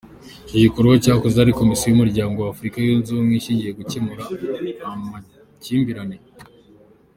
Iki gikorwa cyakozwe hari komisiyo y’umuryango w’Afurika yunze ubumwe ishyinzwe gukemura amakimbirane.